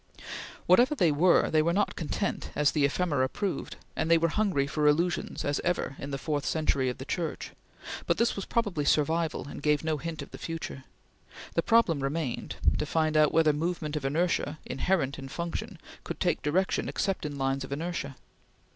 Whatever they were, they were not content, as the ephemera proved; and they were hungry for illusions as ever in the fourth century of the Church; but this was probably survival, and gave no hint of the future. The problem remained to find out whether movement of inertia, inherent in function, could take direction except in lines of inertia.